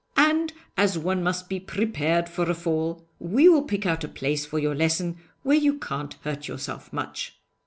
And as one must be prepared for a fall, we will pick out a place for your lesson where you can't hurt yourself much.'